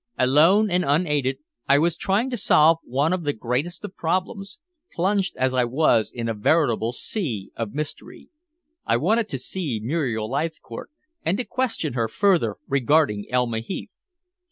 Alone and unaided I was trying to solve one of the greatest of problems, plunged as I was in a veritable sea of mystery. I wanted to see Muriel Leithcourt, and to question her further regarding Elma Heath.